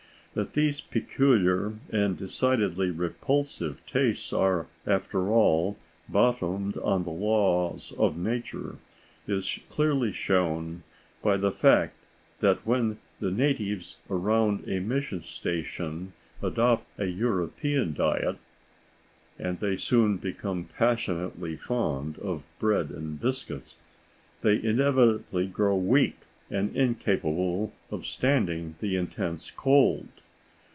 That these peculiar and decidedly repulsive tastes are, after all, bottomed on the laws of nature, is clearly shown by the fact that when the natives around a mission station adopt a European diet (and they soon become passionately fond of bread and biscuits) they inevitably grow weak and incapable of standing the intense cold.